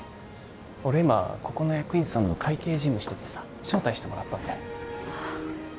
俺今ここの役員さんの会計事務しててさ招待してもらったんだよああ